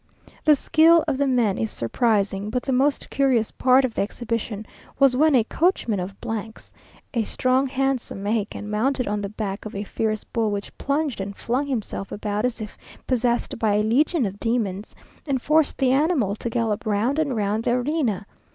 The skill of the men is surprising; but the most curious part of the exhibition was when a coachman of 's, a strong, handsome Mexican, mounted on the back of a fierce bull, which plunged and flung himself about as if possessed by a legion of demons, and forced the animal to gallop round and round the arena.